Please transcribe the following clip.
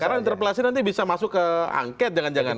karena interpelasi nanti bisa masuk ke angket jangan jangan kan